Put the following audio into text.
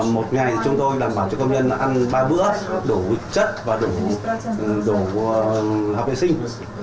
một ngày chúng tôi đảm bảo cho công nhân ăn ba bữa đủ chất và đủ học vệ sinh